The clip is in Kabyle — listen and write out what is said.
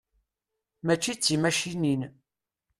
Mačči d timacinin.